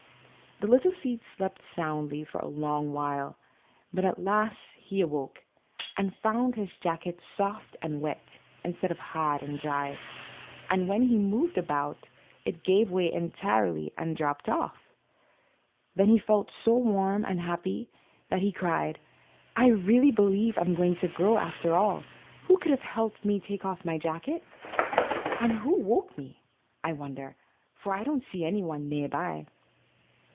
The little seed slept souiidly for a long while, but at last he awoke, and found his jacket soft and wet, instead of hard and dry, and when he moved about it gave way en tirely and dropped off. Then he felt so warm and happy that he cried, "I really believe I am going to grow after all. Who could have helped me take THE LITTLE SEED. 99 off my jacket? And who woke me, I wonder? — for I don't se<e anyone near by."